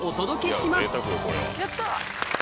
やった。